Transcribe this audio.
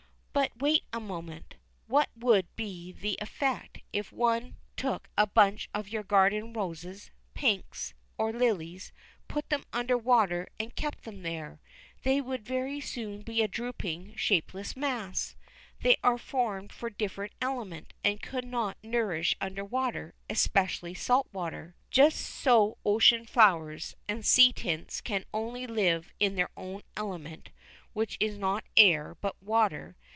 But wait a moment; what would be the effect if any one took a bunch of your garden roses, pinks, or lilies, put them under water, and kept them there? They would very soon be a drooping, shapeless mass. They are formed for a different element, and could not nourish under water, especially salt water. Just so ocean flowers, and sea tints can only live in their own element, which is not air, but water.